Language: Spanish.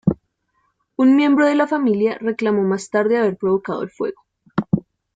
Un miembro de la Familia reclamó más tarde haber provocado el fuego.